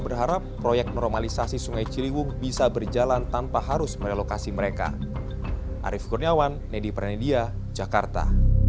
berharap proyek normalisasi sungai ciliwung bisa berjalan tanpa harus merelokasi mereka